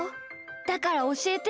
だからおしえて。